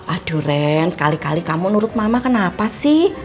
aduh ren sekali kali kamu nurut mama kenapa sih